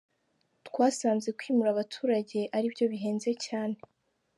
Twasanze kwimura abaturage ari byo bihenze cyane.